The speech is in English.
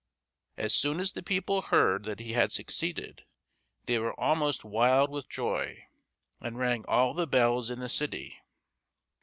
As soon as the people heard that he had succeeded, they were almost wild with joy, and rang all the bells in the city.